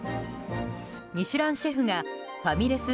ミシュランシェフがファミレス